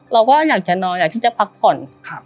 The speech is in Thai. เราก็อยากจะนอนอยากที่จะพักผ่อน